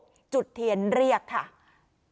หญิงบอกว่าจะเป็นพี่ปวกหญิงบอกว่าจะเป็นพี่ปวก